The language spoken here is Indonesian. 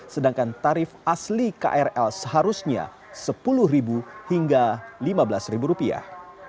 sedangkan tarif asli krl seharusnya sepuluh hingga lima belas rupiah